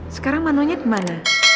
sekarang mano nya dimana